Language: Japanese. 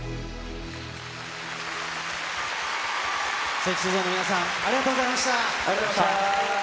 ＳｅｘｙＺｏｎｅの皆さん、ありがとうございました。